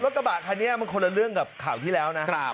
กระบะคันนี้มันคนละเรื่องกับข่าวที่แล้วนะ